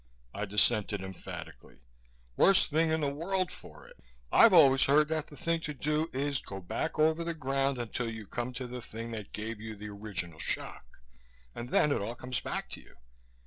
I dissented emphatically. "Worst thing in the world for it. I've always heard that the thing to do is to go back over the ground until you come to the thing that gave you the original shock and then it all comes back to you.